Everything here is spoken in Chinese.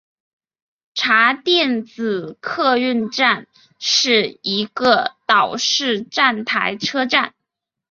茶店子客运站是一个岛式站台车站。